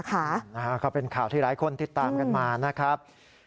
ก็เป็นข่าวที่หลายคนติดตามกันมานะครับ